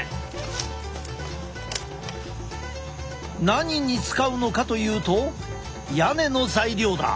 何に使うのかというと屋根の材料だ。